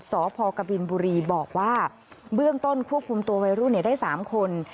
สพกบินบุรีบอกว่าเบื้องต้นควบคุมตัววัยรุ่นได้๓คน